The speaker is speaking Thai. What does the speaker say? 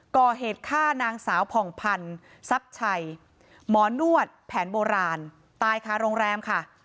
ก่อเหตุฆ่านางสาวผ่องพันธุ์ทรัพย์ชัยหมอนวดแผนโบราณตายค่ะโรงแรมค่ะ